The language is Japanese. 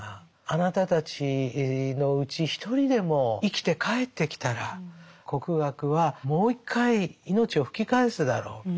あなたたちのうち一人でも生きて帰ってきたら国学はもう一回命を吹き返すだろう」。